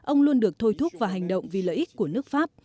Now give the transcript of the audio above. ông luôn được thôi thúc vào hành động vì lợi ích của nước pháp